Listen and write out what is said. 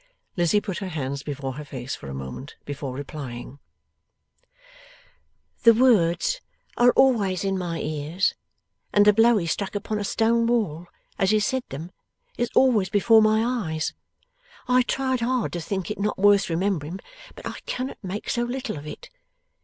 Lizzie put her hands before her face for a moment before replying: 'The words are always in my ears, and the blow he struck upon a stone wall as he said them is always before my eyes. I have tried hard to think it not worth remembering, but I cannot make so little of it.